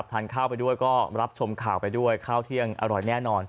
ทานข้าวไปด้วยก็รับชมข่าวไปด้วยข้าวเที่ยงอร่อยแน่นอน